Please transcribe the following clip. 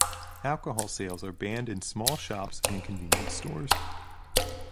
Alcohol sales are banned in small shops and convenience stores.